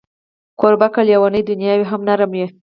کوربه که لېونۍ دنیا وي، هم نرم وي.